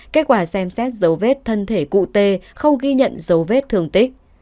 kết quả xem xét dấu vết thân thể cụ tê không ghi nhận dấu vết thương tích